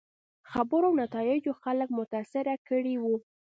خبرو او نتایجو خلک متاثره کړي وو.